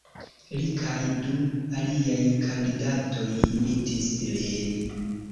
Li kaj du aliaj kandidatoj imitis lin.